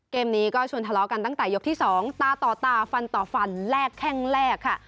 เกมนี้ก็ชวนทะเลาะกันตั้งแต่ยกที่๒ตาต่อตาฟันต่อฟันแลกแข้งแรกค่ะ